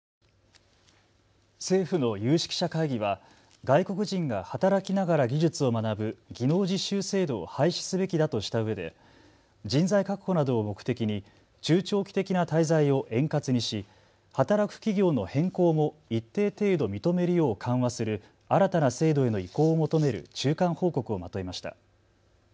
政府の有識者会議は外国人が働きながら技術を学ぶ技能実習制度を廃止すべきだとしたうえで人材確保などを目的に中長期的な滞在を円滑にし働く企業の変更も一定程度認めるよう緩和する新たな制度への移行を求める中間報告をまとめました。